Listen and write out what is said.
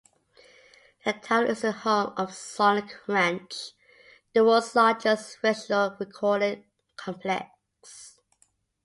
The town is the home of Sonic Ranch, the world's largest residential recording complex.